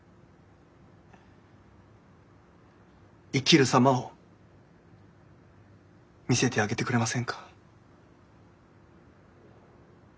生きるさまを見せてあげてくれませんか。